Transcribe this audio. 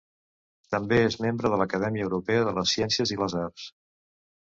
També és membre de l'Acadèmia Europea de les Ciències i les Arts.